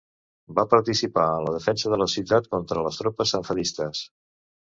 Va participar en la defensa de la ciutat contra les tropes sanfedistes.